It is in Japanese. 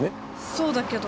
そうだけど。